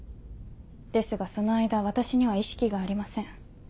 ですがその間私には意識がありません。